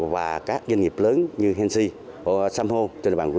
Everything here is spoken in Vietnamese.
và các doanh nghiệp lớn như henxi samho trên địa bàn cô chi